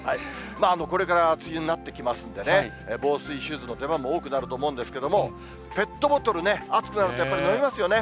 これから梅雨になってきますんでね、防水シューズの出番も多くなると思うんですけども、ペットボトルね、暑くなると、やっぱり飲みますよね。